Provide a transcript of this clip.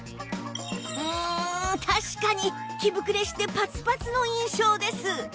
うーん確かに着ぶくれしてパツパツの印象です